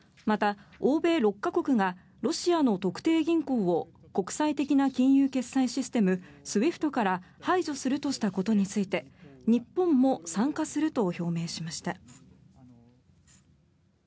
また、欧米６か国がロシアの特定銀行を国際的な金融決済システムＳＷＩＦＴから排除するとしたことについて日本も参加すると表明しました。